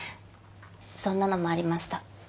そんなのもありました。